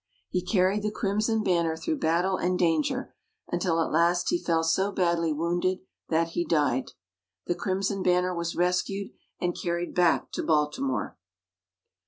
He carried the crimson banner through battle and danger, until at last he fell so badly wounded that he died. The crimson banner was rescued, and carried back to Baltimore.